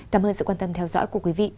cảm ơn sự quan tâm theo dõi của quý vị